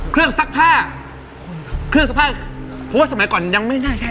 ซักผ้าเครื่องซักผ้าเพราะว่าสมัยก่อนยังไม่น่าใช่